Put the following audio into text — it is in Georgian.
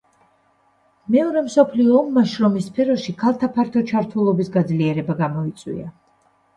მეორე მსოფლიო ომმა შრომის სფეროში ქალთა ფართო ჩართულობის გაძლიერება გამოიწვია.